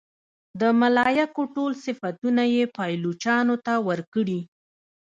د ملایکو ټول صفتونه یې پایلوچانو ته ورکړي.